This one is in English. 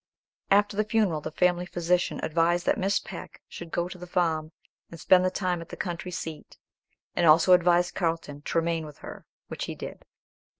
After the funeral, the family physician advised that Miss Peck should go to the farm, and spend the time at the country seat; and also advised Carlton to remain with her, which he did.